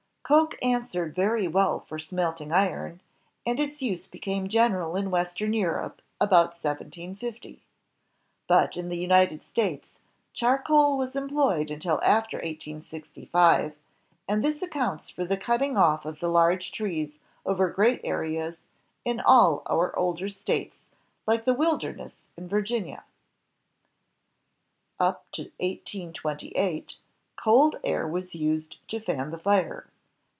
Coke answered very well for smelting iron, and its use became general in western Europe about 1750. But in the United States charcoal was employed until after 1865, and this accounts for the cutting off of the large trees, over great areas, in all our older states, like the Wilderness in Virginia. Up to 1828, cold air was used to fan the fire.